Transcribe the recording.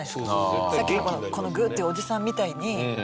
さっきのこのグーッていうおじさんみたいに。